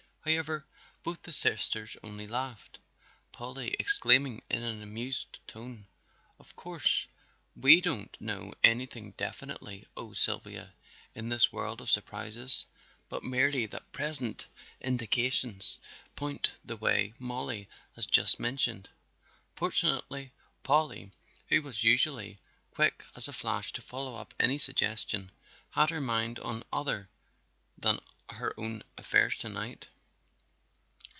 However, both the sisters only laughed, Polly exclaiming in an amused tone: "Of course we don't know anything definitely, oh Sylvia, in this world of surprises, but merely that present indications point the way Mollie has just mentioned." Fortunately, Polly, who was usually quick as a flash to follow up any suggestion, had her mind on other than her own affairs to night.